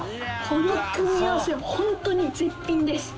この組み合わせはほんとに絶品です。